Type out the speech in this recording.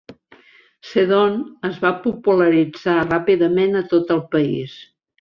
Seddon es va popularitzar ràpidament a tot el país.